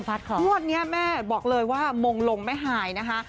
งวดนี้แม่บอกเลยว่ามงลงแม่หายนะคะ